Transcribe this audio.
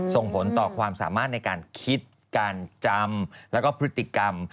ส่งผลต่อความสามารถในการคิดการจำแล้วก็พฤติกรรม